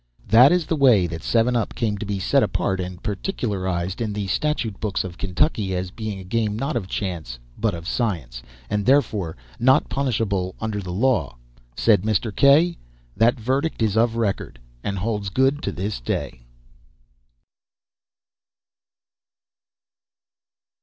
"That is the way that seven up came to be set apart and particularized in the statute books of Kentucky as being a game not of chance but of science, and therefore not punishable under the law," said Mr. K . "That verdict is of record, and holds good to this day."